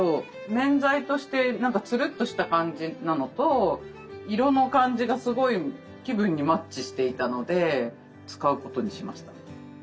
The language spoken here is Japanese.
面材として何かつるっとした感じなのと色の感じがすごい気分にマッチしていたので使うことにしました。